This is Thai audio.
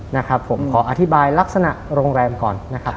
นะครับผมขออธิบายลักษณะโรงแรมก่อนนะครับ